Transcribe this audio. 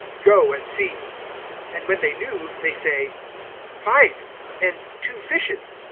Go and see. And when they knew, they say: Five, and two fishes.